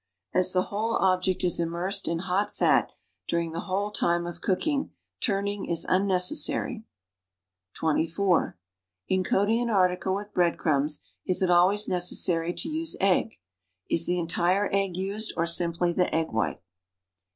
As the whole oliject is immersed in hot fat during the whole time of cooking, turning is unnecessary. (24) In coating an article with bread crumbs, is it always necessarj' to u.se egg? Is the entire egg used, or simply the egg white?